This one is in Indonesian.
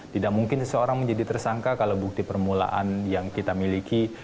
tidak mungkin seseorang menjadi tersangka kalau bukti permulaan yang kita miliki